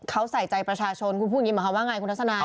เขาใส่ใจประชาชนคุณพูดอย่างนี้หมายความว่าไงคุณทัศนาย